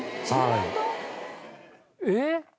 ⁉えっ？